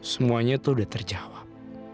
semuanya tuh udah terjawab